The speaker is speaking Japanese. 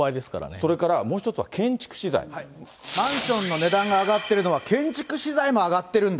それから、もう１つは建築資マンションの値段が上がってるのは、建築資材も上がってるんだ。